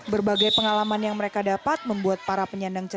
berbagai pengalaman yang mereka dapat membuat para penyandang